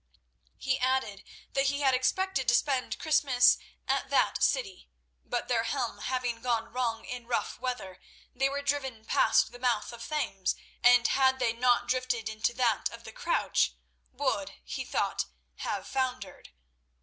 He added that he had expected to spend Christmas at that city, but their helm having gone wrong in the rough weather, they were driven past the mouth of the Thames, and had they not drifted into that of the Crouch, would, he thought, have foundered.